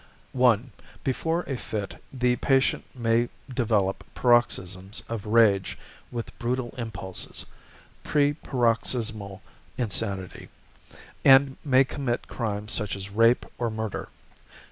(1) Before a fit the patient may develop paroxysms of rage with brutal impulses (preparoxysmal insanity), and may commit crimes such as rape or murder.